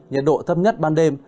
nhiệt độ thấp nhất ban đêm